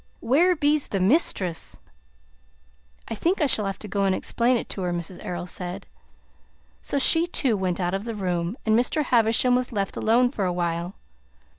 Where be's the misthress?" "I think I shall have to go and explain it to her," Mrs. Errol said. So she, too, went out of the room and Mr. Havisham was left alone for a while.